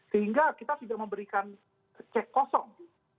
sehingga kita sudah memberikan cek kosong